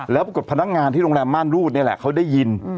แล้วปรากฏพนักงานที่โรงแรมม่านรูดนี่แหละเขาได้ยิน